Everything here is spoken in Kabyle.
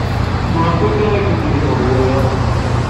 Maɣef akk ay kent-yecɣeb waya?